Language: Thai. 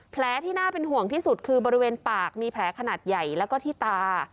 ที่น่าเป็นห่วงที่สุดคือบริเวณปากมีแผลขนาดใหญ่แล้วก็ที่ตา